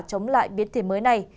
chống lại biến thể mới này